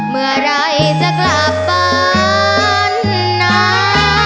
เมื่อไหร่จะกลับบ้านนะ